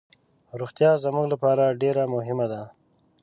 روغتیا زموږ لپاره ډیر مهمه ده.